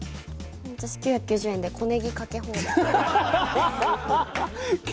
私９９０円で小ねぎかけ放題。